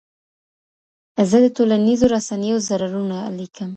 زه د ټولنيزو رسنيو ضررونه ليکم.